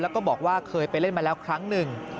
แล้วก็บอกว่าเคยไปเล่นมาแล้วครั้งหนึ่ง